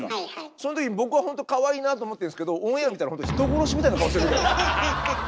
そん時に僕はほんと「かわいいな」って思ってるんですけどオンエア見たらほんと人殺しみたいな顔してる時ある。